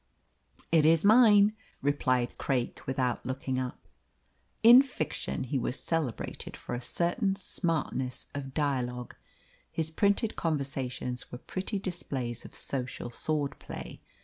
"It is mine," replied Craik, without looking up. In fiction he was celebrated for a certain smartness of dialogue. His printed conversations were pretty displays of social sword play.